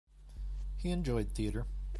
He enjoyed theatre.